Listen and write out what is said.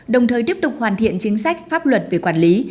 đồng thời tiếp tục hoàn thiện chính sách pháp luật về quản lý